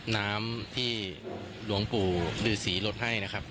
น้ำที่หลวงปู่ฤษีลดให้นะครับ